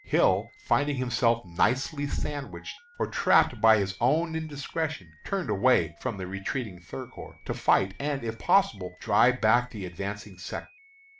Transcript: Hill, finding himself nicely sandwiched or trapped by his own indiscretion, turned away from the retreating Third Corps, to fight, and, if possible, drive back the advancing Second.